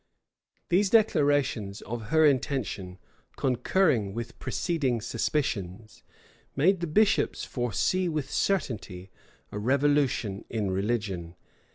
[] These declarations of her intention, concurring with preceding suspicions, made the bishops foresee with certainty a revolution in religion.